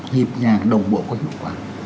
những nhà đồng bộ có hiệu quả